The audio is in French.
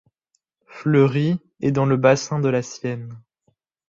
Fleury est dans le bassin de la Sienne.